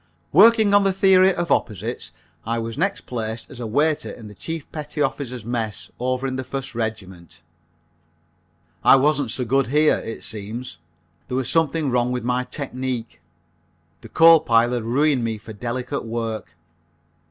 _ Working on the theory of opposites, I was next placed as a waiter in the Chief Petty Officer's Mess over in the First Regiment. I wasn't so good here, it seems. There was something wrong with my technique. The coal pile had ruined me for delicate work.